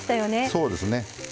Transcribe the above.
そうですね。